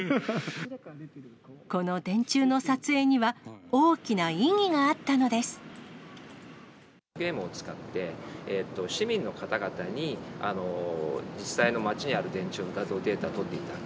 この電柱の撮影には、大きなゲームを使って市民の方々に、実際の街にある電柱の画像データをとっていただく。